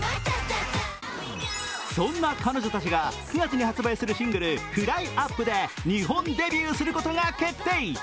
そんな彼女たちが９月に発売する「ＦＬＹ−ＵＰ」で日本デビューすることが決定。